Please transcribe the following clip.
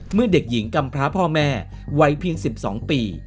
เมื่อเด็กหญิงกรรมพระพ่อแม่วัยเพียงสิบสองปี